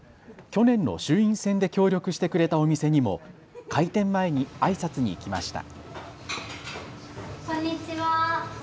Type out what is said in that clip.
去年の衆院選で協力してくれたお店にも開店前にあいさつに行きました。